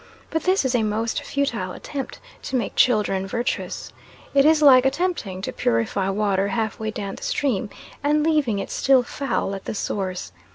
But this is a most futile attempt to make children virtuous; it is like attempting to purify water half way down the stream, and leaving it still foul at the source.